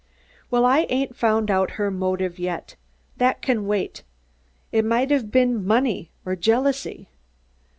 "Well, I ain't found out her motive yet. That can wait. It might have been money or jealousy."